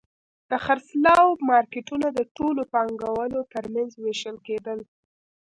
د خرڅلاو مارکېټونه د ټولو پانګوالو ترمنځ وېشل کېدل